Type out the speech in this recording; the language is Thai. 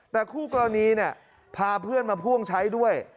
แต่คู่กรณีพาเพื่อนมาพ่วงใช้ด้วย